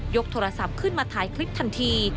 กโทรศัพท์ขึ้นมาถ่ายคลิปทันที